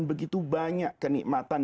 begitu banyak kenikmatan